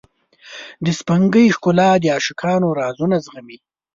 د سپوږمۍ ښکلا د عاشقانو رازونه زغمي.